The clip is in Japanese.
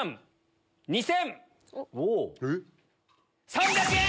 ３００円！